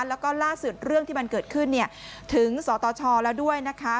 แล้วก็ล่าสุดเรื่องที่มันเกิดขึ้นเนี่ยถึงสตชแล้วด้วยนะคะ